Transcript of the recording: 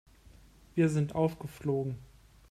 Wir sind aufgeflogen.